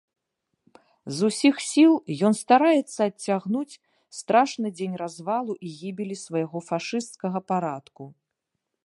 З усіх сіл ён стараецца адцягнуць страшны дзень развалу і гібелі свайго фашысцкага парадку.